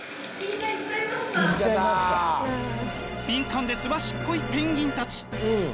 敏感ですばしっこいペンギンたち。